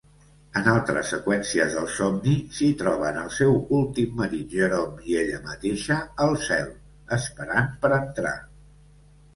En altres seqüències del somni s'hi troben el seu últim marit Jerome i ella mateixa al Cel, esperant per entrar.